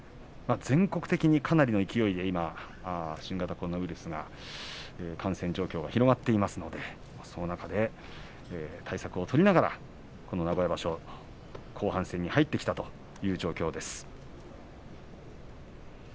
全国的にかなりの勢いで新型コロナウイルスが広がっていますのでその中で対策を取りながら名古屋場所の後半戦に入ってきたという状況です。